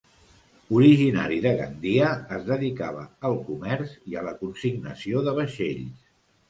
Originari de Gandia, es dedicava al comerç i a la consignació de vaixells.